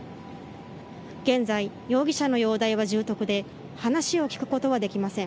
現在、容疑者の容体は重篤で話を聞くことはできません。